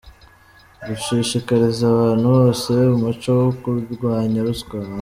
b. Gushishikariza abantu bose umuco wo kurwanya ruswa ;